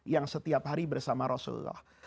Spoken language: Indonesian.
yang setiap hari bersama rasulullah